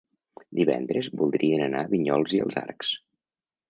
Divendres voldrien anar a Vinyols i els Arcs.